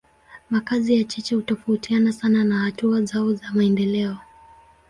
Makazi ya cheche hutofautiana sana na hatua zao za maendeleo.